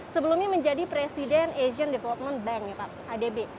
sebelumnya menjadi presiden asian development bank adb